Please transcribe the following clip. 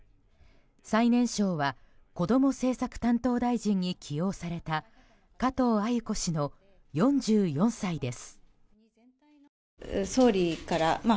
最年少はこども政策担当大臣に起用された加藤鮎子氏の４４歳です。